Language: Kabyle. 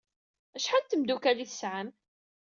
Acḥal n tmeddukal ay tesɛam?